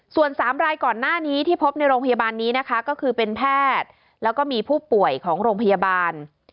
ส่วน๓รายก่อนหน้านี้ที่พบในโรงพยาบาลนี้นะคะก็คือเป็นแพทย์แล้วก็มีผู้ป่วยของโรงพยาบาล